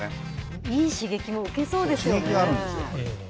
いい刺激を受けそうですよね。